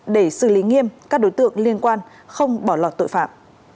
để xử lý nghiêm các đối tượng liên quan không bỏ lọt tội phạm